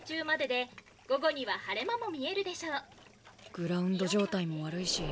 グラウンド状態も悪いし中止かな。